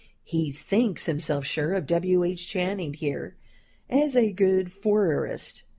He thinks himself sure of W. H. Channing here, as a good Fourierist.